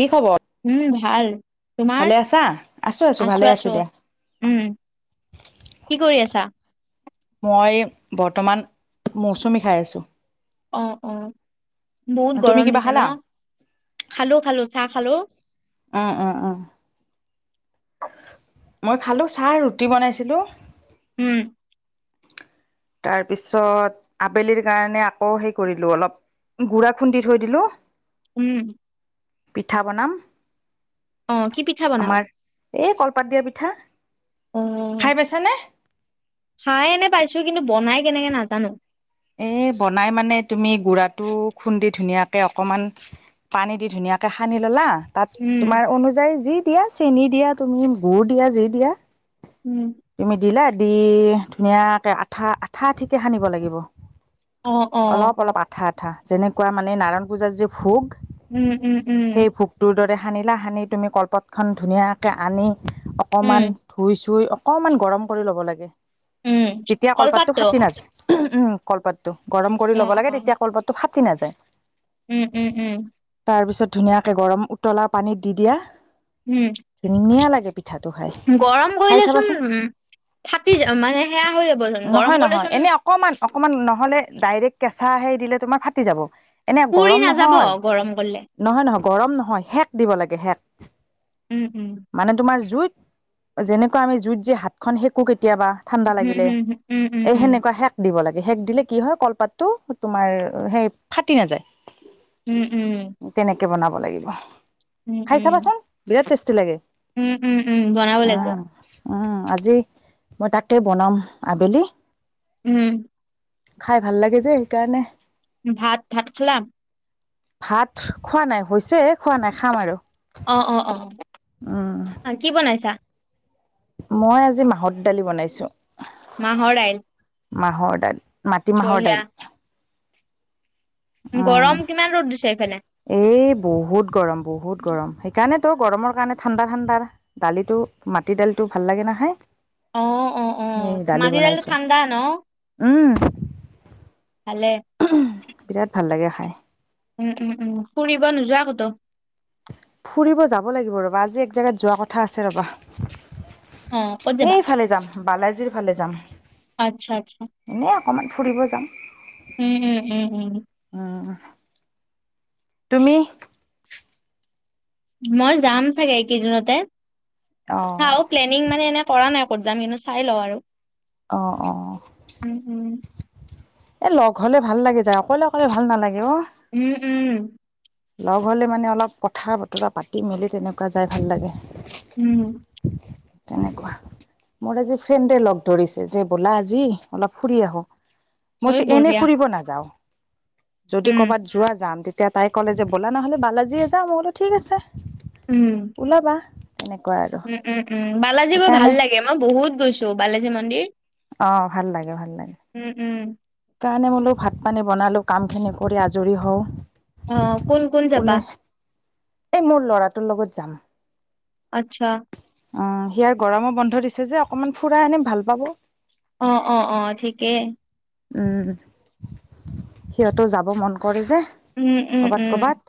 কি খবৰ? উম, ভাল। তোমাৰ? ভালে আছা আছো আছো ভালে আছোঁ আছো আছোঁ। দিয়া উম। কি কৰি আছা? মই বৰ্তমান মৌচুমী খাই আছোঁ। অ', অ', বহুত তুমি গৰম কিবা দিছে ন। খালা খালোঁ খালোঁ। চাহ হেল্ল'। অ', অ', অ'। মই খালোঁ ছাৰ। ৰুটি বনাইছিলোঁ। উম। তাৰপিছত আবেলিৰ কাৰণে আকৌ হেই কৰিলোঁ অলপ। গুড়া খুন্দি থৈ দিলোঁ। উম। পিঠা বনাম। অ', কি পিঠা বনাবা? আমাৰ এই কলপাত দিয়া পিঠা। অ', খাই পাইছানে? খাই এনে পাইছোঁ। কিন্তু বনাই কেনেকে নাজানো। এ বনাই মানে তুমি গুড়াটো খুন্দি ধুনীয়াকে অকমান পানী দি ধুনীয়াকে সানি ল'লা। তাত উম, তোমাৰ অনুযায়ী যি দিয়া, চেনি দিয়া, তুমি গুড় দিয়া যি দিয়া। উম, তুমি দিলা দি ধুনীয়াকে আঠা আঠা আঠিকে সানিব লাগিব। অ', অ', অলপ অলপ আঠা-আঠা যেনেকুৱা মানে নাৰায়ণ পূজাত যে ভোগ উম, উম, উম। সেই ভোগটোৰ দৰে সানিলা সানি তুমি কলপাতখন ধুনীয়াকে আনি উম, অকমান ধুই চুই অকমান গৰম কৰি ল'ব লাগে। উম, তেতিয়া কলপাতটো ফাঁটি নাযায়। উম, কলপাতটো গৰম কৰি অ', ল'ব লাগে অ', তেতিয়া কলপাতটো ফাটি নাযায়। উম উম উম। তাৰপিছত ধুনীয়াকে গৰম উতলা পানীত দি দিয়া উম। ধুনীয়া লাগে। মিঠাটো খাই, গৰম খাই কৰিলেচোন চাবাচোন। উম, ফাটি যা- মানে সেয়া হৈ যাবচোন গৰম নহয় নহয় কৰিলেচোন এনে অকমান অকমান। নহ'লে ডাইৰেক্ট কেঁচা হেৰি দিলে তোমাৰ ফাটি যাব। এনে পুৰি গৰম নাযাব নহয়, গৰম কৰিলে। নহয় নহয়। গৰম নহয় শেক দিব লাগে শেক উম, উম। মানে তোমাৰ জুইত। যেনেকুৱা আমি জুইত যে হাতখন সেকো কেত কেতিয়াবা ঠাণ্ডা উম, লাগিলে, হুম, উম, উম, এই সেনেকুৱা শেক দিব লাগ সেক দিলে কি হয় কলপাতটো তোমাৰ সেই ফাটি নাযায়। উম উম তেনেকে বনাব লাগিব, উম, উম, খাই উম, চাবাচোন বিৰাট টেষ্টি লাগে। উম, উম, উম, বনাব লাগিব। উম উম, আজি মই তাকে বনাম, আবেলি। উম খাই ভাল লাগে যে সেইকাৰণে। ভাত ভাত খালা। ভাত খোৱা নাই হৈছে খোৱা নাই খাম আৰু। অ অ উম অ কি বনাইছা? মই আজি মাহত দালি বনাইছো। মাহৰ দাইল। মাহৰ দাইল মাটিমাহৰ বঢ়িয়া। দাইল। উম, গৰম কিমান ৰদ দিছে এইফানে এই বহুত গৰম বহুত গৰম হেকাৰণে। কাৰণে তো গৰমৰ কাৰণে ঠাণ্ডা ঠাণ্ডা দালিটো মাটি দালিটো ভাল লাগে না খাই। অ', অ', অ', সেই দালি মাটি দাইলটো বনাইছো ঠাণ্ডা ন? উম। ভালে বিৰাট ভাল লাগে খায়। উম উম উম ফুৰিব নোযোৱা কতো? ফুৰিব যাব লাগিব ৰ'বা আজি এক জেগাত যোৱা কথা আছে ৰবা। অঁ কত যাবা? এইফালে যাম বালাজীৰ ফালে যাম। আচ্ছা আচ্ছা। অকমান ফুুৰিব যাম। উম উম উম উম। উম, তুমি? মই যাম চাগে এইকেইদিনতে অঁ চাও প্লেনিং মানে এনে। কৰা নাই ক'ত যাম কিন্তু চাই লওঁ আৰু। অঁ অহ। উম, উম, এ লগ হলে ভাল লাগে যায় অকলে অকলে ভাল নালাগে অ। উম, উম, লগ হ'লে মানে অলপ কথা বতৰা পাতি মেলি তেনেকুৱা যাই ভাল লাগে। উম, তেনেকুৱা, মোৰ আজি ফ্ৰেণ্ডে লগ ধৰিছে যে ব'লা আজি অলপ ফুৰি আহো। ঐ মইচো এনেই বঢ়িয়া। ফুৰিব নাযাও। যদি উম। কবাত যোৱা যাম তেতিয়া তাই ক'লে যে ব'লা নহ'লে বালাজীয়ে যাম মই বোলো ঠিক আছে। উম, ওলাবা তেনেকুৱা আৰু উম উম উম বালাজী গৈ ভাল সেইকাৰণে লাগে মই বহুত গৈছো বালাজী মন্দিৰ। অ ভাল লাগে ভাল লাগে। উম, উম, সেইকাৰণে বোলো ভাত পানী বনালো কাম খিনি কৰি আজৰি হওঁ। অ কোন কোন যাবা? ওলাই এই মোৰ ল'ৰাটোৰ লগত যাম। আচ্ছা। অ', হিয়াৰ গৰমো বন্ধ দিছে যে অকমান ফুৰাই আনিম ভাল পাব। অ', অ', অ'ঠিকেই। উম। সিহঁতও যাব মন কৰে যে। উম, উম, কৰ'বাত উম, কৰ'বাত।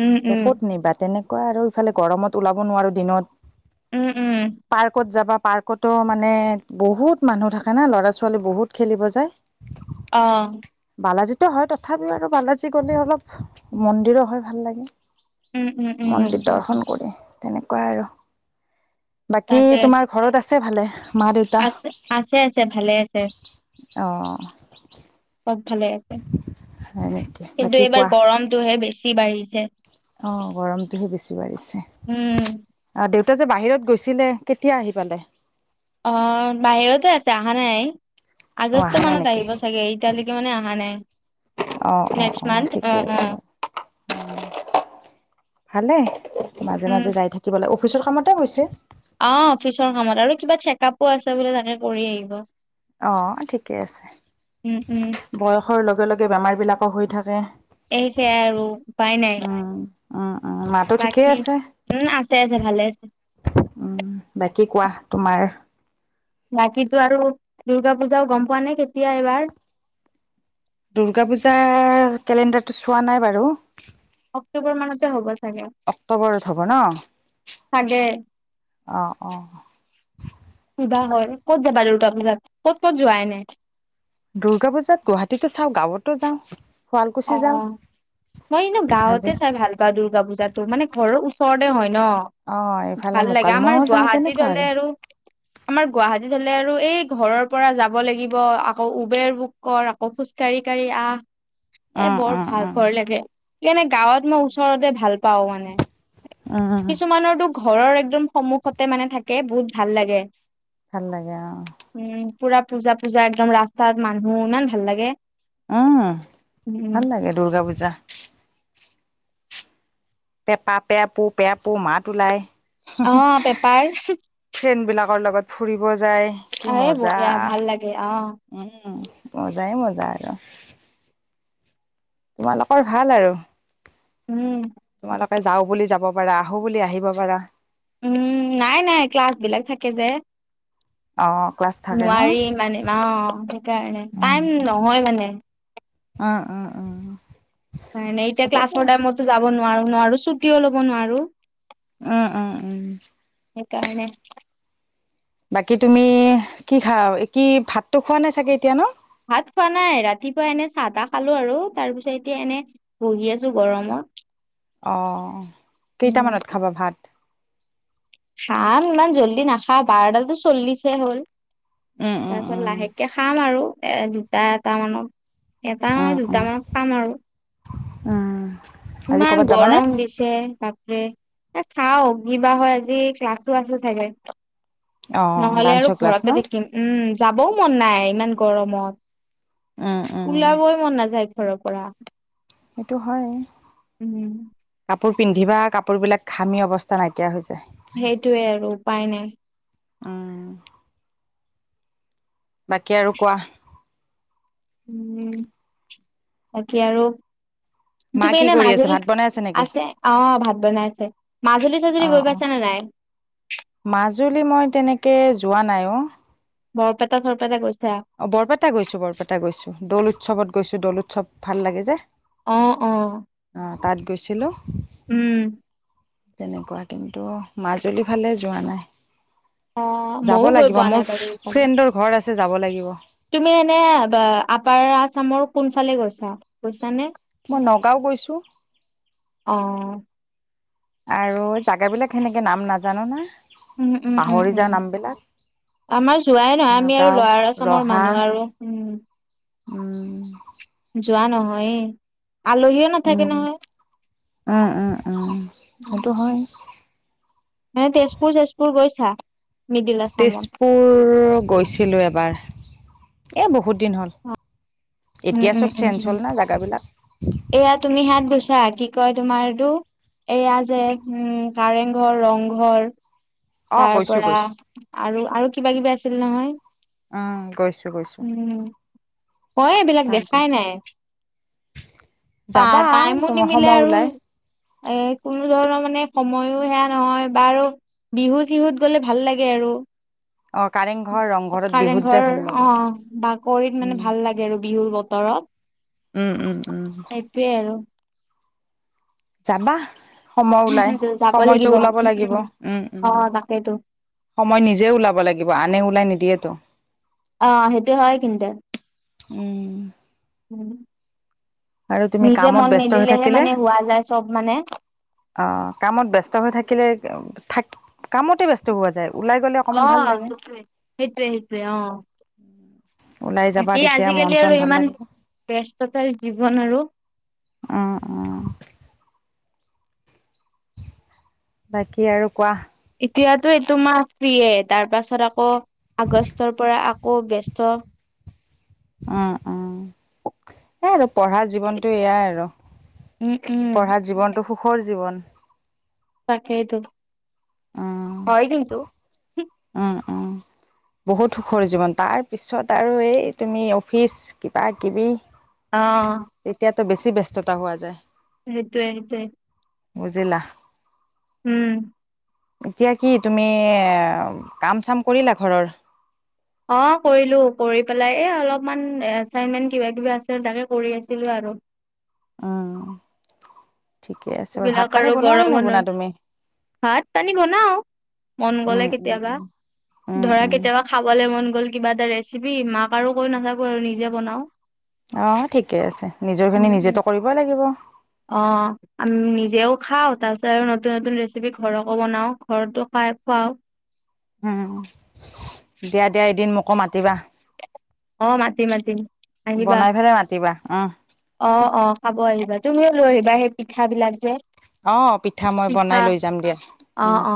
উম, উম, ক'ত নিবা তেনে আৰু ইফালে গৰমত ওলাব নোৱাৰো উম, উম, দিনত। পাৰ্কত যাবা পাৰ্কতো মানে বহুত মানুহ থাকে ন ল'ৰা-ছোৱালী বহুত খেলিব যায়। অ'। বালাজিতো হয়। তথাপিও আৰু বালাজী গ'লে অলপ মন্দিৰো হয় ভাল লাগে। উম, উম, উম, মন্দিৰ দৰ্শন কৰি। তেনেকুৱাই আৰু। বাকী তাকে তোমাৰ ঘৰত আছে ভালে? মা দেউতা আছে। আছে আছে ভালে আছে। অ'। ছব ভালে আছে। হয় নেকি কিন্তু এইবাৰ গৰমটোহে বেছি বাঢ়িছ অ', গৰমটোহে বেছি বাঢ়িছে। উম, আৰু দেউ এতিয়া যে বাহিৰত গৈছিলে কেতিয়া আহি পালে? অ', বাহিৰতে আছে অহা নাই। অঁ আগষ্ট অহা নাই মানত নেকি আহিব চাগে। এতিয়ালৈকে মানে আহা নাই। অ', অ', নেক্সট অ' মান্থ ঠিকে আছে অ', বাৰু। উম ভালে। উম, মাজে-মাজে যাই থাকিব লাগে। অফিচৰ কামতে গৈছে। অ', অফিচৰ কামত। আৰু কিবা চেকআপো আছে বোলে তাকো কৰি আহিব। অ', ঠিকে আছে, উম উম বয়সৰ লগে লগে বেমাৰ বিলাকো হৈ থাকে। এই সেয়াই আৰু উপাই নাই। উম উম উম মা তো ঠিকে বাকী আছে, উম আছে আছে ভালে আছে বাকী কোৱা? তোমাৰ বাকীতো আৰু, দুৰ্গা পূজাও গম পোৱা নে কেতিয়া এবাৰ? টো চোৱা নাই বাৰু। অক্টোবৰ মানতে হ'ব। চাগে অক্টোবৰত হ'ব ন, চাগে অ অ কিবা হয় ক'ত যাবা আৰু? দুৰ্গা পজাত ক'ত ক'ত যোৱা এনেই? দুৰ্গা পূজাত গুৱাহাটীতো চাওঁ গাঁৱতো যাওঁ অ শুৱালকুছি যাওঁ। মই এনেও ইফালে গাঁৱতে চাই ভাল পাওঁ দুৰ্গা পূজাতটো মানে ঘৰৰ ওচৰতে হয় অ ন ইফালে ভাল লাগে আমাৰ মোকালমোৱাও যাওঁ গুৱাহাটীত তেনেকুৱা হলে আৰু আমাৰ গুৱাহাটীত হলে আৰু এই ঘৰৰ পৰা যাব লাগিব আকৌ উবেৰ বুক কৰ আকৌ খোজ কঢ়ি কাঢ়ি আহ। এ উম বৰ উম উম ভাগৰ লাগে। সেইকাৰণে গাঁৱত মই ওচৰতে ভাল পাও মানে উম কিছুমানৰতো ঘৰৰ একদম সন্মুখতে মানে থাকে বহুত ভাল লাগে। ভাল লাগে অ। উম পুৰা পূজা পূজা একদম ৰাস্তাত মানুহ ইমান ভাল লাগে। উম উম ভাল লাগে দুৰ্গা পূজা। পেপা পে পো পে পো মাত ওলাই। অ পেপাৰ। লগৰ লগত ফুৰিব যায় কি এ মজা বঢ়িয়া ভাল লাগে অ' উম। মজাই মজা আৰু। তোমালোকৰ ভাল আৰু উম। তোমালোক যাও বুলি যাব পাৰা আহো বুলি আহিব পাৰা। উম নাই নাই ক্লাছ বিলাক থাকে যে। অ ক্লাছ থাকে ন নোৱাৰি মানে অ সেইকাৰণে টাইম নহয় মানে। অ', -অ', -অ'। হয় নে এতিয়া ক্লাছৰ টাইমটো যাব নোৱাৰো, নোৱাৰো ছুটিও লব নোৱাৰো। উম-উম-উম। সেইকাৰণে। বাকী তুমি কি খাও, কি ভাতটো খোৱা নাই চাগে এতিয়া ন'। ভাত খোৱা নাই ৰাতিপুৱা এনে চাহ তাহ খালো আৰু তাৰ পিছত এতিয়া এনে বহি আছো গৰমত। অ' উম কেইটামানত খাবা ভাত। খাম ইমান জল্দি নাখাওঁ বাৰটা চল্লিছে হ'ল। উম উম উম তাৰপিছত লাহেকে খাম আৰু এ দুটা এটা মানত এটা উম উম দুটা মানত খাম আৰু। উম'। আজি ইমান ক'ৰবাত যাবানে গৰম দিছে তাক এ চাও কিবা হয় আজি ক্লাছো আছো চাগে। অ নহ'লে আৰু ডান্সৰ ক্লাছ ন ঘৰতে থাকিম উম যাবও মন নাই ইমান উম গৰমত। উম উলাবই মন নাযায় ঘৰৰ পৰা সেইটো হয় উম কাপোৰ। পিন্ধিবা কাপোৰবিলাক ঘামি অৱস্থা নাইকিয়া হৈ যায়। সেইটোৱে আৰু উপায় নাই। বাকী আৰু কোৱা। উম বাকী আৰু মা তুমি কি এনে কৰি আছে মাজুলী ভাত বনাই নেকি? আছে অ' ভাত বনাই আছে মাজুলী [unintelligible] অ', গৈ অ', পাইছা নে নাই। মাজুলী মই তেনেকে যোৱা নাই অ'। বৰপেটা চৰপেটা গৈছা অ' বৰপেটা গৈছো বৰপেটা গৈছো। দৌল উৎসৱত গৈছো। দৌল উৎসৱ ভাল লাগে যে। অ', -অ'। তাত গৈছিলো। উম। তেনেকুৱা কিন্তু মাজুলীৰ ফালে যোৱা নাই। অ যাব ময়ো গৈ লাগিব পোৱা নাই মোৰ, বাৰু এইফালে ফ্ৰেণ্ডৰ ঘৰ আছে যাব লাগিব। তুমি এনে বে আপাৰ আছামৰ কোন ফালে গৈছা। গৈছানে মই নগাঁও গৈছো। অ আৰু জাগাবিলাক সেনেকে নাম নাজানো নহয় উম উম উম পাহৰি উম যাও নাম বিলাক। আমাৰ যোৱাই নহয় আমি আৰু লৱাৰ আচামৰ ৰহা মানুহ আৰু উম'। উম'। যোৱা নহয়েই। আলহীও নাথাকে উম, নহয় উম, উম, উম, সেইটো উম-উম। হয়। এ তেজপুৰ-চেজপুৰ গৈছা। মিডিল আছামত তেজপুৰ গৈছিলোঁ এবাৰ। এ বহুত দিন হ'ল। এতিয়া চব চেঞ্জ উম-উম-উম-উম হ'ল না জেগাবিলাক এয়া তুমি হাত গুছা কি কয়? তোমাৰটো এইয়া যে উম কাৰেংঘৰ, ৰংঘৰ। অ, তাৰ গৈছোঁ পৰা গৈছোঁ। আৰু আৰু কিবা কিবি আছিল নহয়। উম গৈছো-গৈছো। হয় এইবিলাক দেখাই নাই। টা যাবা টাইমো তোমাৰ নিমিলে সময় আৰু ওলাই এ কোনো ধৰণৰ। মানে সময়ো সেয়া নহয় বাৰু বিহু চিহুত গ'লে ভাল লাগে আৰু। অ, কাৰেংঘৰ ৰংঘৰত বিহুত কাৰেংঘৰ যাই ভাল লাগে। অ', - অ' বাকৰিত মানে উম, ভাল লাগে আৰু বিহুৰ বতৰত। উম- উম-উম। সেইটোয়ে আৰু যাবা সময় উলাই, যাব সময়টো লাগিব উলাব উম লাগিব উম, অ উম। তাকেইতো সময় নিজে ওলাব লাগিব আনে ওলাই নিদিয়েতো। আহ সেইটোয়ে হয় কিন্তু উম আৰু তুমি নিজে মন মেলিলেহে মানে হোৱা যায় চব মানে অ কামত ব্যস্ত হৈ থাকিলে থাক কামতে ব্যস্ত হোৱা যায় ওলাই গ'লে অকণমান আহ ভাল লাগে সেইটোৱে সেইটোৱে আহ ওলাই যাবা বাকী তেতিয়া মন আজিকালি চন আৰু ভাল ইমান লাগিব ব্যস্ততাৰ জীৱন আৰু আহ উ বাকী আৰু কোৱা এতিয়াতো এইটো মাহ ৰ্ফিয়ে তাৰ পাছত আকৌ আগষ্টৰ পৰা অ'ব ব্যস্ত আহ আহ এ আৰু পঢ়া জীৱনটো এয়াই আৰু উম উম পঢ়া জীৱনতটো সুখৰ জীৱন হে তু উম হয় কিন্তু উম উম বহুত সুখৰ জীৱন তাৰপিছত আৰু এই তুমি অফিচ কিবা কিবি আহ তো বেছি ব্যস্ততা হোৱা যায় সেইটোৱে সেইটোৱে বুজিলা উম এতিয়া কি তুমি কাম চাম কৰিলা ঘৰৰ অ'হ। কৰিলো। কৰি পেলাই এই অলপমান এচাইনমেন্ট কিবা-কিবি আছিল তাকে কৰি আছিলো আ [unintelligible] উম ঠিকে আছে বাৰু ভাত সিবিলাক পানী আৰু বনোৱা নে নবনোৱা বৰমানৰ। তুমি ভাত-পানী বনাওঁ। মন গ'লে উম উম কেতিয়াবা। উম উম ধৰা, উম কেতিয়াবা খাবলে মন গ গ'ল, কিবা এটা ৰেচিপি। মাক আৰু কৈ নাথাকো আৰু। নিজে বনাওঁ। আহ ঠিকে আছে। নিজৰ উম খিনি উম নিজেতো কৰিবই লাগিব। অ আমি নিজেও খাওঁ। তাৰ পিছত আৰু নতুন- নতুন ৰেচিপি ঘৰকো বনাওঁ। ঘৰতো খাই- খুৱাও। উম। দিয়া। দিয়া। এদিন মোকো মাতিবা। অ'। মাতিম। মাতিম। আহিব। বনাই পেলাই মাতিবা উম অ'। অ'। খাব আহিবা। তুমিও লৈ আহিবা সেই পিঠা বিলাক যে। অহ। পিঠা মই বনাই লৈ যাম দিয়া। অ উম। অ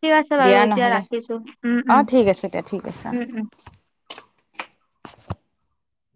ঠিক আছে বাৰু দিয়া এতিয়া নহ'লে। ৰাখিছো উম উম অ' ঠিক আছে দিয়া। ঠিক আছে। অ'হ। উম উম